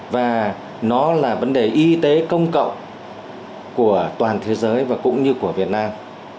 và nó là vấn đề y tế công cộng của toàn thế giới và cũng như của việt nam